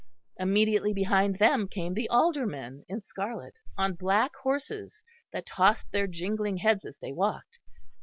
Immediately behind them came the aldermen in scarlet, on black horses that tossed their jingling heads as they walked.